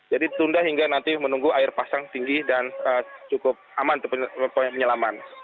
jadi ditunda hingga nanti menunggu air pasang tinggi dan cukup aman penyelaman